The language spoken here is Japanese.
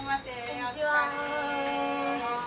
こんにちは。